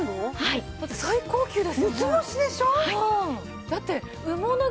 だって最高級ですよね？